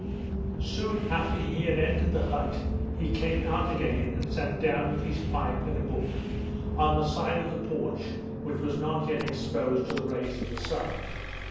Soon after he had entered the hut he came out again and sat down with his pipe and a book on the side of the porch which was not yet exposed to the rays of the sun.